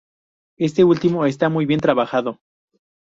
Este último está muy bien trabajado.